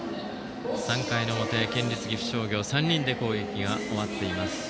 ３回の表、県立岐阜商業３人で攻撃が終わっています。